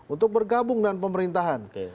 untuk bergabung dengan pemerintahan